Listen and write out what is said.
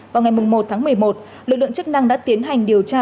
vào ngày một tháng một mươi một lực lượng chức năng đã tiến hành điều tra